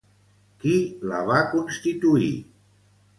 Qui la va constituir?